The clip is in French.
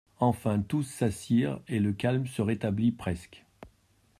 Enfin, tous s'assirent et le calme se rétablit presque.